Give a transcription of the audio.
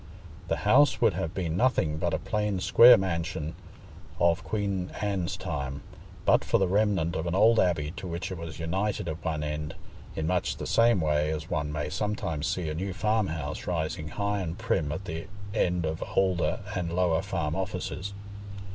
The house would have been nothing but a plain square mansion of Queen Anne's time, but for the remnant of an old abbey to which it was united at one end, in much the same way as one may sometimes see a new farmhouse rising high and prim at the end of older and lower farm offices.